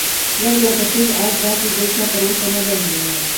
وخت لکه تېز اس داسې دی چې چا تر اوسه نه دی نیولی.